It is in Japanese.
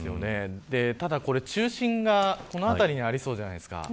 ただ、中心がこの辺りにありそうじゃないですか。